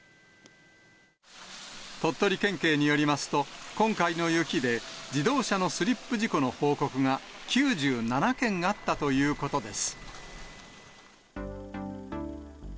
鳥取県警によりますと、今回の雪で、自動車のスリップ事故の報告が９７件あったということです。